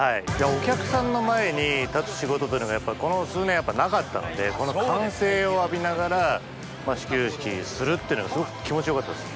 お客さんの前に立つ仕事というのがこの数年なかったのでこの歓声を浴びながら始球式するってのがすごく気持ち良かったです。